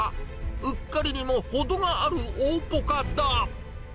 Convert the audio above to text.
うっかりにもほどがある大ぽかだ。